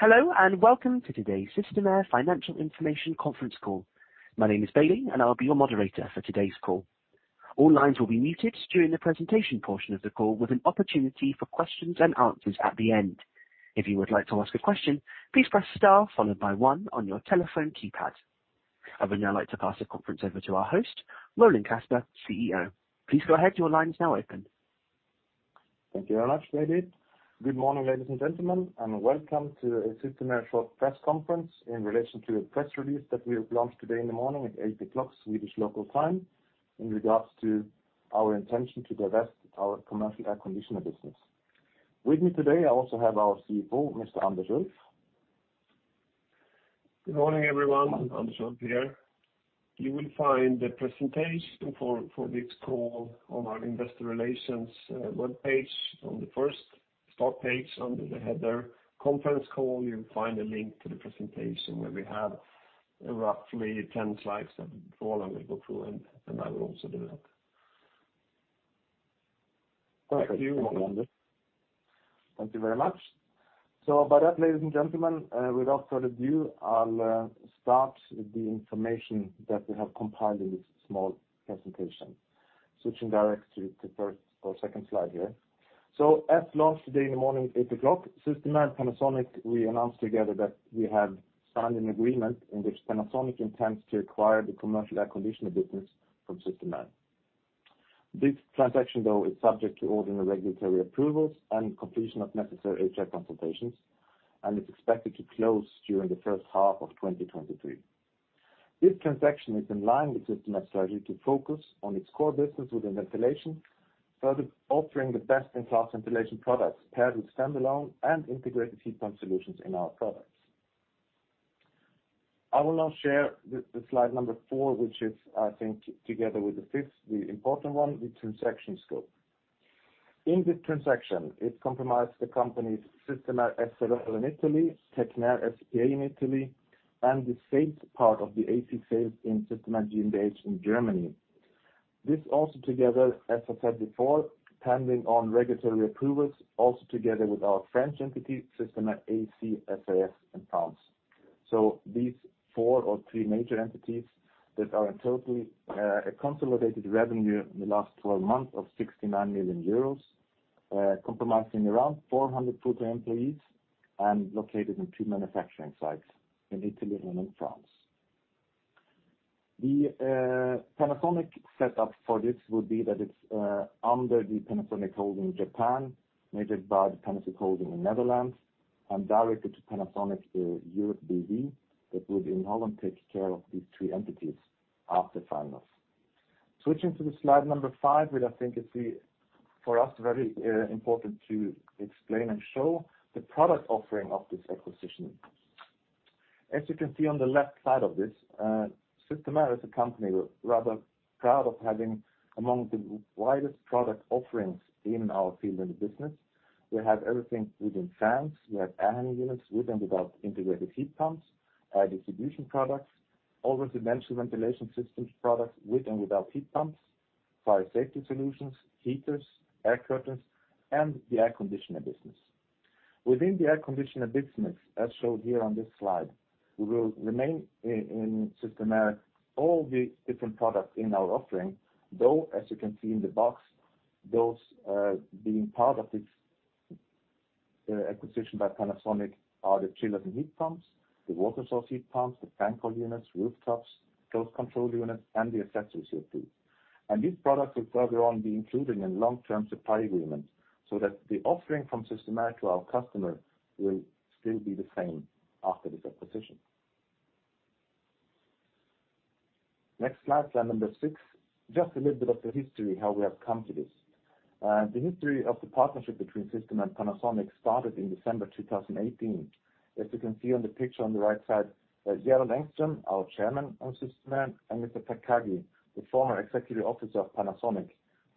Hello, and welcome to today's Systemair financial information conference call. My name is Bailey, and I'll be your moderator for today's call. All lines will be muted during the presentation portion of the call with an opportunity for questions and answers at the end. If you would like to ask a question, please press star followed by one on your telephone keypad. I would now like to pass the conference over to our host, Roland Kasper, CEO. Please go ahead, your line is now open. Thank you very much, Bailey. Good morning, ladies and gentlemen. Welcome to Systemair short press conference in relation to a press release that we have launched today in the morning at 8:00 A.M. Swedish local time in regards to our intention to divest our commercial air conditioner business. With me today, I also have our CFO, Mr. Anders Ulff. Good morning, everyone. Anders here. You will find the presentation for this call on our investor relations webpage. On the first start page under the header conference call, you'll find a link to the presentation where we have roughly 10 slides that Roland will go through, and I will also do that. Thank you. Thank you. Thank you very much. By that, ladies and gentlemen, without further ado, I'll start with the information that we have compiled in this small presentation. Switching direct to first or second slide here. As launched today in the morning, 8:00 A.M., Systemair and Panasonic, we announced together that we have signed an agreement in which Panasonic intends to acquire the commercial air conditioner business from Systemair. This transaction, though, is subject to ordinary regulatory approvals and completion of necessary HR consultations, and it's expected to close during the first half of 2023. This transaction is in line with Systemair strategy to focus on its core business within ventilation, further offering the best-in-class ventilation products paired with standalone and integrated heat pump solutions in our products. I will now share the slide number four, which is, I think, together with the fifth, the important one, the transaction scope. In this transaction, it comprised the company's Systemair S.r.l. in Italy, Tecnair S.p.A. in Italy, and the sales part of the AC sales in Systemair GmbH in Germany. This also together, as I said before, pending on regulatory approvals, also together with our French entity, Systemair AC SAS in France. These four or three major entities that are in total a consolidated revenue in the last 12 months of 69 million euros, comprising around 400 total employees and located in two manufacturing sites in Italy and in France. The Panasonic setup for this would be that it's under the Panasonic Holding Japan, made by the Panasonic Holding in Netherlands, and directed to Panasonic Europe B.V. that would in Holland take care of these three entities after final. Switching to the slide number five, which I think is, for us, very important to explain and show the product offering of this acquisition. As you can see on the left side of this, Systemair is a company we're rather proud of having among the widest product offerings in our field in the business. We have everything within fans. We have Air Handling Units with and without integrated heat pumps, distribution products, over-dimensional ventilation systems products with and without heat pumps, fire safety solutions, heaters, air curtains, and the air conditioner business. Within the air conditioner business, as shown here on this slide, we will remain in Systemair all the different products in our offering, though, as you can see in the box, those being part of this acquisition by Panasonic are the Chillers and Heat Pumps, the Water Source Heat Pumps, the Fan Coil Units, Rooftops, Close Control Units, and the accessories with these. These products will further on be included in long-term supply agreements so that the offering from Systemair to our customer will still be the same after this acquisition. Next slide number six. Just a little bit of the history, how we have come to this. The history of the partnership between Systemair and Panasonic started in December 2018. As you can see on the picture on the right side, Jerker Bergström, our Chairman of Systemair, and Mr. Takagi, the former Executive Officer of Panasonic.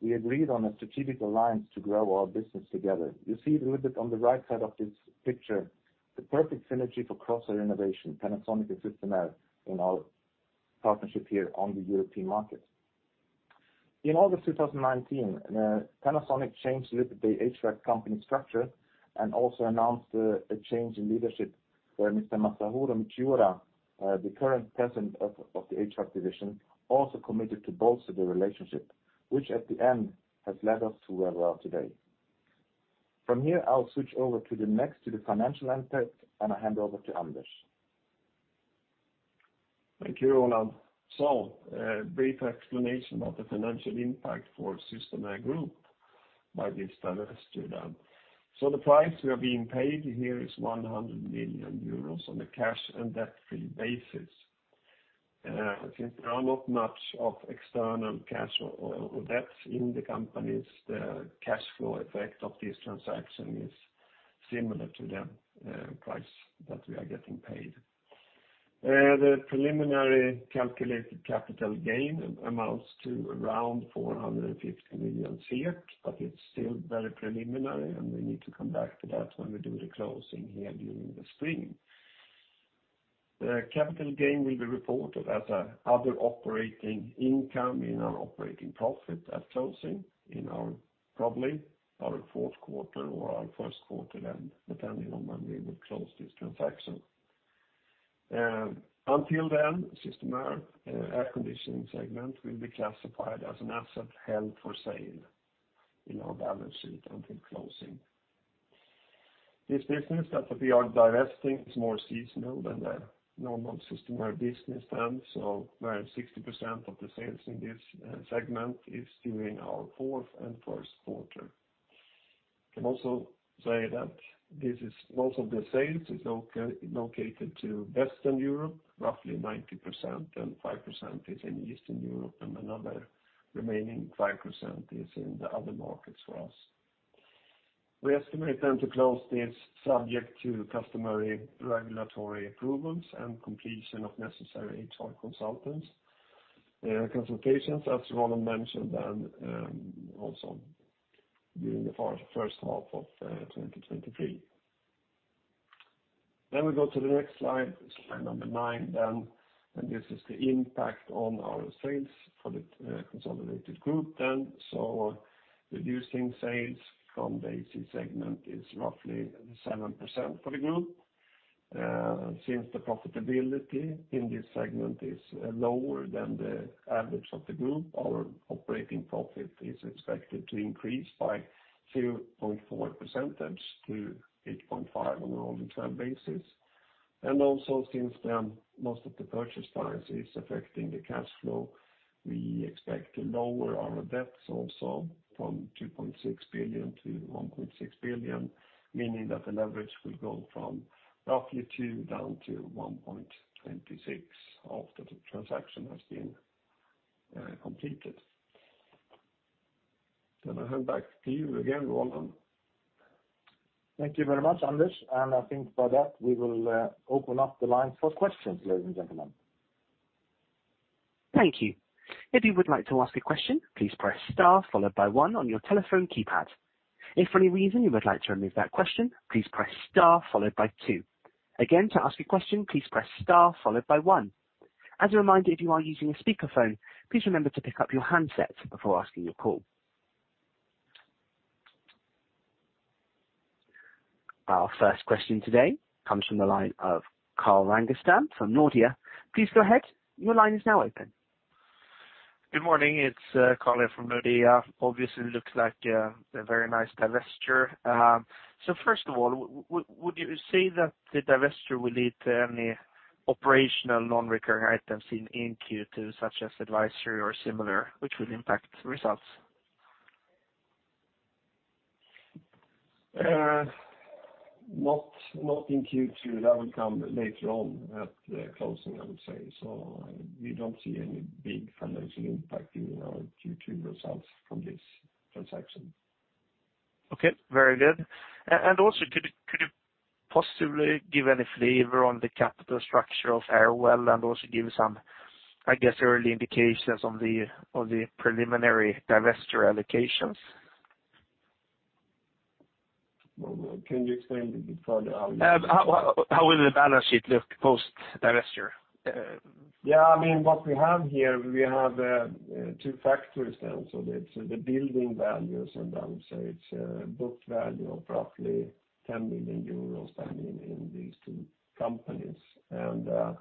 We agreed on a strategic alliance to grow our business together. You see a little bit on the right side of this picture, the perfect synergy for cross-sell innovation, Panasonic and Systemair in our partnership here on the European market. In August 2019, Panasonic changed a little bit the HVAC company structure and also announced a change in leadership where Mr. Masaharu Michiura, the current President of the HVAC division, also committed to bolster the relationship, which at the end has led us to where we are today. From here, I'll switch over to the next, to the financial impact, and I hand over to Anders. Thank you, Roland. Brief explanation of the financial impact for Systemair Group by this divestment. The price we are being paid here is 100 million euros on a cash and debt-free basis. Since there are not much of external cash or debts in the companies, the cash flow effect of this transaction is similar to the price that we are getting paid. The preliminary calculated capital gain amounts to around 450 million, but it's still very preliminary, and we need to come back to that when we do the closing here during the spring. The capital gain will be reported as an other operating income in our operating profit at closing in our, probably, our fourth quarter or our first quarter then, depending on when we will close this transaction. Until then, Systemair air conditioning segment will be classified as an asset held for sale in our balance sheet until closing. This business that we are divesting is more seasonal than the normal Systemair business, where 60% of the sales in this segment is during our fourth and first quarter. Can also say that most of the sales is located to Western Europe, roughly 90%, 5% is in Eastern Europe, and another remaining 5% is in the other markets for us. We estimate them to close this subject to customary regulatory approvals and completion of necessary HR consultations, as Roland mentioned, also during the first half of 2023. We go to the next slide number nine then, and this is the impact on our sales for the consolidated group then. Reducing sales from the AC segment is roughly 7% for the group. Since the profitability in this segment is lower than the average of the group, our operating profit is expected to increase by 2.4%-8.5% on an organic term basis. Since then, most of the purchase price is affecting the cash flow, we expect to lower our debts also from 2.6 billion-1.6 billion, meaning that the leverage will go from roughly two down to 1.26 after the transaction has been completed. I hand back to you again, Roland. Thank you very much, Anders. I think for that, we will open up the line for questions, ladies and gentlemen. Thank you. If you would like to ask a question, please press star followed by one on your telephone keypad. If for any reason you would like to remove that question, please press star followed by two. Again, to ask a question, please press star followed by one. As a reminder, if you are using a speakerphone, please remember to pick up your handset before asking your call. Our first question today comes from the line of Carl Ragnerstam from Nordea. Please go ahead. Your line is now open. Good morning. It's Carl from Nordea. Obviously, looks like a very nice divestiture. First of all, would you say that the divestiture will lead to any operational non-recurring items in Q2, such as advisory or similar, which will impact results? Not in Q2. That will come later on at the closing, I would say. We don't see any big financial impact in our Q2 results from this transaction. Okay, very good. Also, could you possibly give any flavor on the capital structure of Airwell and also give some, I guess, early indications on the preliminary divesture allocations? Can you explain a bit further how? How will the balance sheet look post divestiture? Yeah, I mean, what we have here, we have two factors then. It's the building values and then, so it's book value of roughly 10 million euros then in these two companies. The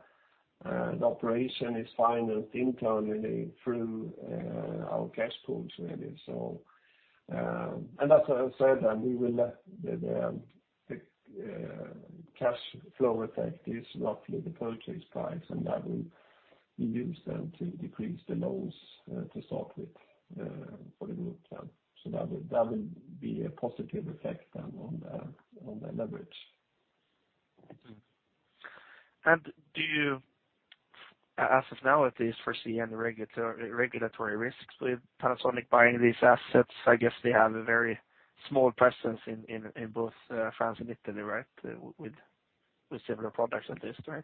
operation is financed internally through our cash pools, really. As I said, then we will let the cash flow effect is roughly the purchase price, and that will be used then to decrease the loans to start with for the group. That will be a positive effect then on the leverage. Do you, as of now at least, foresee any regulatory risks with Panasonic buying these assets? I guess they have a very small presence in both France and Italy, right, with similar products of this, right?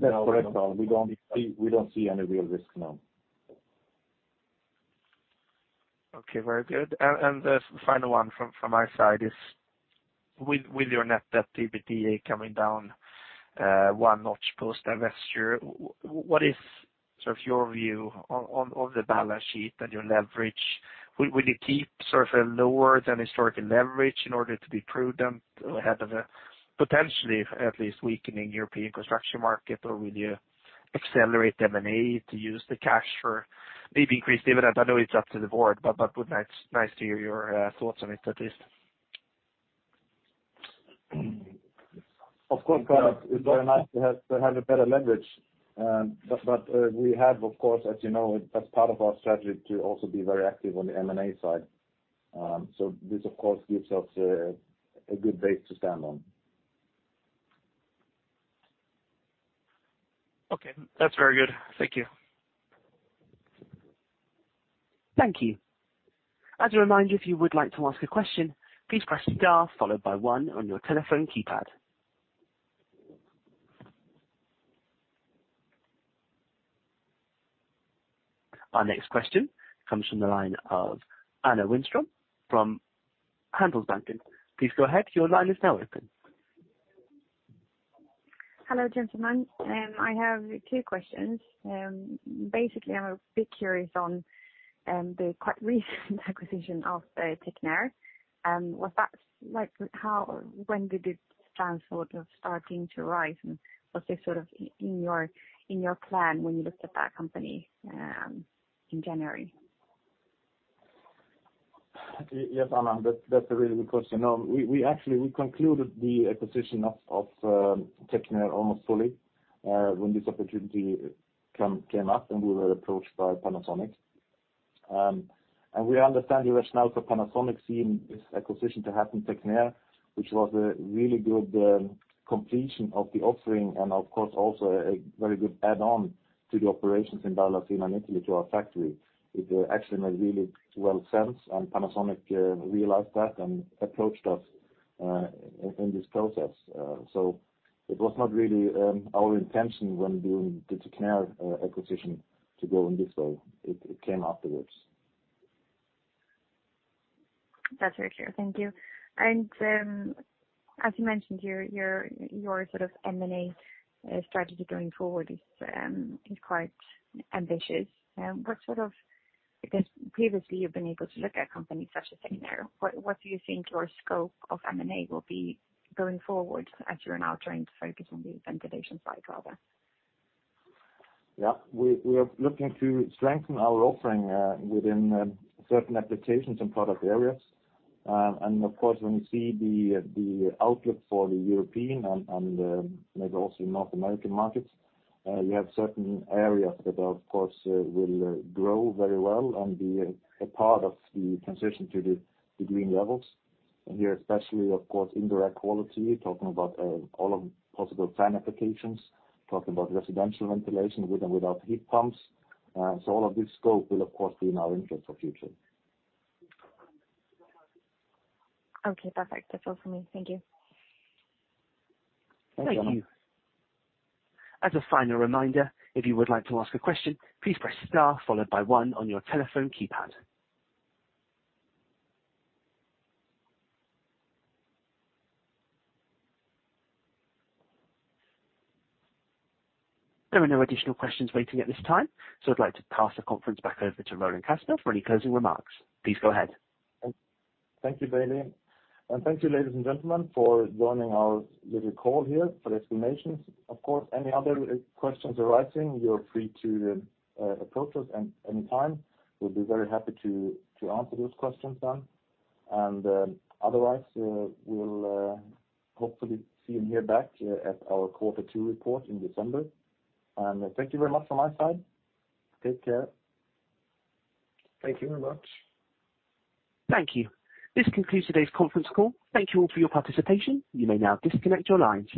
That's correct, Carl. We don't see any real risk, no. Okay, very good. The final one from my side is with your net debt EBITDA coming down one notch post-divestiture, what is sort of your view on the balance sheet and your leverage? Will you keep sort of a lower than historical leverage in order to be prudent ahead of a potentially at least weakening European construction market? Will you accelerate M&A to use the cash for maybe increased dividend? I know it's up to the board, but nice to hear your thoughts on it at least. Of course, Carl, it's very nice to have a better leverage. We have, of course, as you know, as part of our strategy to also be very active on the M&A side. This of course gives us a good base to stand on. Okay, that's very good. Thank you. Thank you. As a reminder, if you would like to ask a question, please press star followed by one on your telephone keypad. Our next question comes from the line of Anna Wikström from Handelsbanken. Please go ahead. Your line is now open. Hello, gentlemen. I have two questions. Basically, I'm a bit curious on the quite recent acquisition of Tecnair. Was that like when did it transfer to starting to rise? Was this sort of in your plan when you looked at that company in January? Yes, Anna. That's a really good question. We actually concluded the acquisition of Tecnair almost fully when this opportunity came up, and we were approached by Panasonic. We understand the rationale for Panasonic seeing this acquisition to happen, Tecnair, which was a really good completion of the offering and of course, also a very good add-on to the operations in Ballabio, in Italy, to our factory. It actually made really well sense. Panasonic realized that and approached us in this process. It was not really our intention when doing the Tecnair acquisition to go in this way. It came afterwards. That's very clear. Thank you. As you mentioned, your sort of M&A strategy going forward is quite ambitious. Because previously you've been able to look at companies such as Tecnair, what do you think your scope of M&A will be going forward as you are now trying to focus on the ventilation side rather? Yeah. We are looking to strengthen our offering within certain applications and product areas. Of course, when you see the outlook for the European and maybe also North American markets, you have certain areas that of course will grow very well and be a part of the transition to the green levels. Here especially of course, indoor air quality, talking about all of possible fan applications, talking about residential ventilation with and without heat pumps. All of this scope will of course be in our interest for future. Okay, perfect. That's all for me. Thank you. Thank you. As a final reminder, if you would like to ask a question, please press star followed by one on your telephone keypad. There are no additional questions waiting at this time, so I'd like to pass the conference back over to Roland Kasper for any closing remarks. Please go ahead. Thank you, Bailey. Thank you, ladies and gentlemen, for joining our little call here for the explanations. Of course, any other questions arising, you're free to approach us at any time. We'll be very happy to answer those questions then. Otherwise, we'll hopefully see you here back at our quarter two report in December. Thank you very much from my side. Take care. Thank you very much. Thank you. This concludes today's conference call. Thank you all for your participation. You may now disconnect your lines.